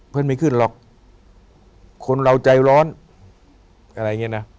ไม่ขึ้นหรอกคนเราใจร้อนอะไรอย่างเงี้ยนะ